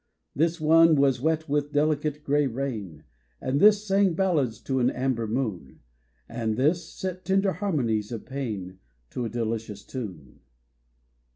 This one was wet with delicate grey rain, And this sang ballads to an amber moon ; And this set tender harmonies of pain To a delicious tune.